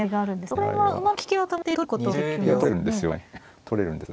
これは馬の利きは取れるんです。